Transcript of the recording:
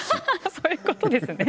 そういうことですね。